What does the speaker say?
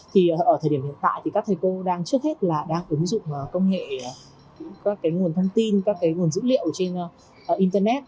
thì ở thời điểm hiện tại thì các thầy cô đang trước hết là đang ứng dụng công nghệ các cái nguồn thông tin các cái nguồn dữ liệu trên internet